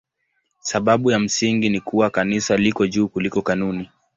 Sababu ya msingi ni kuwa Kanisa liko juu kuliko kanuni.